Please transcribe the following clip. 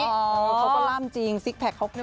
เขาก็ล่ำจริงซิกแพคของจริง